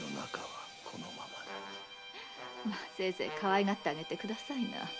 まあせいぜいかわいがってあげてくださいな。